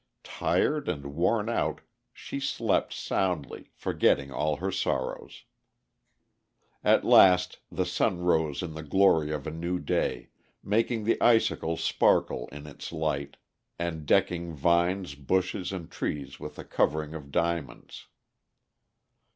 Tired and worn out, she slept soundly, forgetting all her sorrows. At last the sun rose in the glory of a new day, making the icicles sparkle in its light, and decking vines, bushes, and trees with a covering of diamonds.